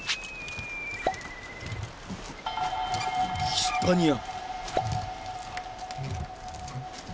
イスパニア！